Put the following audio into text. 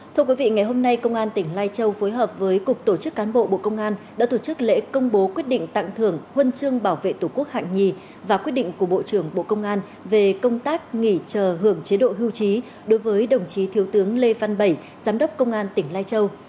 thưa quý vị ngày hôm nay công an tỉnh lai châu phối hợp với cục tổ chức cán bộ bộ công an đã tổ chức lễ công bố quyết định tặng thưởng huân chương bảo vệ tổ quốc hạng nhì và quyết định của bộ trưởng bộ công an về công tác nghỉ chờ hưởng chế độ hưu trí đối với đồng chí thiếu tướng lê văn bảy giám đốc công an tỉnh lai châu